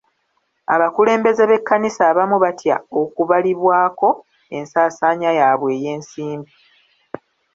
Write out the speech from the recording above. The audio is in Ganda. Abakulembeze b'ekkanisa abamu batya okubalibwako ensaasaanya yaabwe ey'ensimbi.